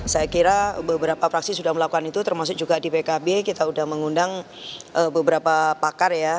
saya kira beberapa fraksi sudah melakukan itu termasuk juga di pkb kita sudah mengundang beberapa pakar ya